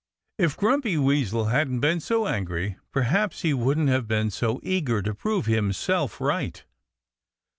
If Grumpy Weasel hadn't been so angry perhaps he wouldn't have been so eager to prove himself right.